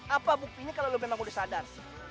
apa buktinya kalau lo memang udah sadar